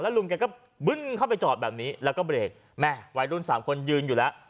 ลุงแกก็บึ้นเข้าไปจอดแบบนี้แล้วก็เบรกแม่วัยรุ่นสามคนยืนอยู่แล้ว